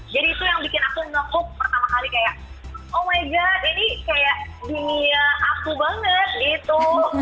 jadi itu yang bikin aku nge vogue pertama kali kayak oh my god ini kayak dunia aku banget gitu